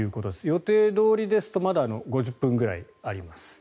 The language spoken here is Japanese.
予定どおりですとまだ５０分ぐらいあります。